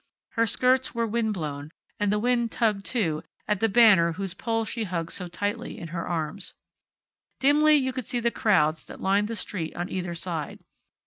Her skirts were wind blown, and the wind tugged, too, at the banner whose pole she hugged so tightly in her arms. Dimly you could see the crowds that lined the street on either side.